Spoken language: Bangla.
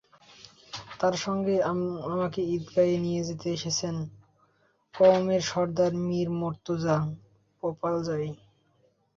তাঁর সঙ্গে আমাকে ঈদগাহে নিয়ে যেতে এসেছেন কওমের সরদার মীর মোর্তজা পোপালজাই।